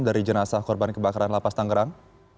dari jenazah korban kebakaran lapas tangerang